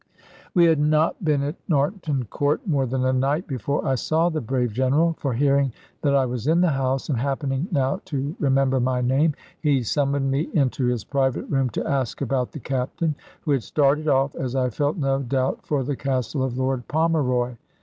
We had not been at Narnton Court more than a night, before I saw the brave General; for hearing that I was in the house, and happening now to remember my name, he summoned me into his private room, to ask about the Captain, who had started off (as I felt no doubt) for the castle of Lord Pomeroy.